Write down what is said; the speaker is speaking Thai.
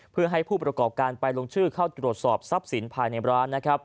เพื่อให้ผู้ประกอบการไปลงชื่อเข้าตรวจสอบทรัพย์สินภายในร้าน